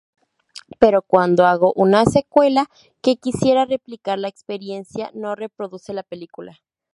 Pero cuando hago una secuela que quisiera replicar la experiencia, no reproduce la película.